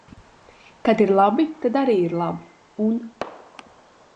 Kad ir labi, tad arī ir labi, un.